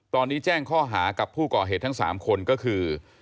ตอนนี้แจ้งข้อหากับผู้ก่อเหตุทั้ง๓คนก็คือ